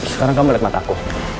sekarang kamu liat mata aku